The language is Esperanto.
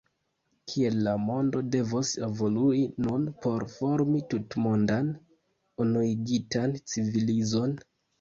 Kiel la mondo devos evolui nun por formi tutmondan, unuigitan civilizon?